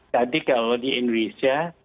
jadi kalau di indonesia